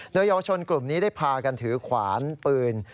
โดยเยาวชนกลุ่มนี้ได้พากันถือขวานปืน